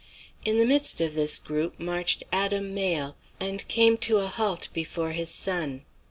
"Into the midst of this group marched Adam Mayle, and came to a halt before his son.